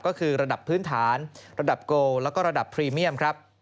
ก็คือระดับพื้นฐานระดับโกแล้วก็ระดับพรีเมียมครับ